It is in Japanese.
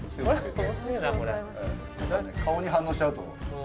顔に反応しちゃうと？